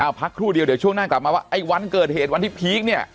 เอาพักครู่เดียวเดี๋ยวช่วงหน้ากลับมาว่าไอ้วันเกิดเหตุวันที่พีคเนี่ย